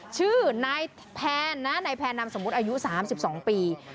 ชื่อนายแพนนะนายแพนนำสมมุติอายุ๓๒ปี